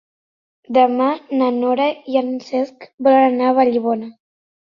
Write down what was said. Demà na Nora i en Cesc volen anar a Vallibona.